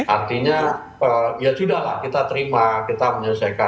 artinya ya sudah lah kita terima kita menyelesaikan